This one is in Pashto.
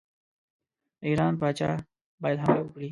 د ایران پاچا باید حمله وکړي.